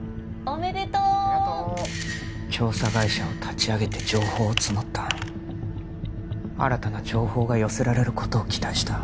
ありがとう調査会社を立ち上げて情報を募った新たな情報が寄せられることを期待した